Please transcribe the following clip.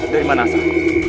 dari mana asal